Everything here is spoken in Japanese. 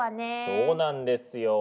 そうなんですよ。